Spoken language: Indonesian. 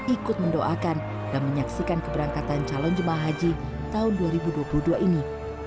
ikut mendoakan dan menyaksikan keberangkatan calon jemaah haji tahun dua ribu dua puluh dua ini